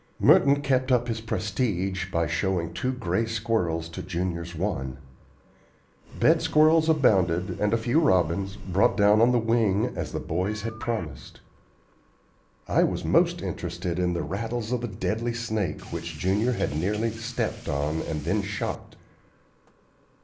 Merton kept up his prestige by showing two gray squirrels to Junior's one. Bed squirrels abounded, and a few robins, brought down on the wing as the boys had promised. I was most interested in the rattles of the deadly snake which Junior had nearly stepped on and then shot.